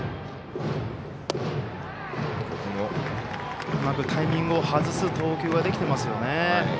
うまくタイミングを外す投球ができていますよね。